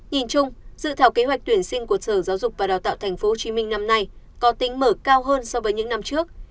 nhìn chung dự thảo kế hoạch tuyển sinh của sở giáo dục và đào tạo tp hcm năm nay có tính mở cao hơn so với những năm trước